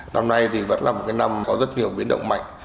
năm nay thì vẫn là một cái năm có rất nhiều biến động mạnh